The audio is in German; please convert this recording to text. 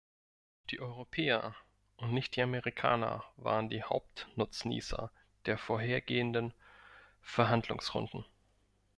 Die Europäer und nicht die Amerikaner waren die Hauptnutznießer der vorhergehenden Verhandlungsrunden.